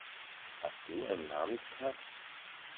Hast du einen Namenstag?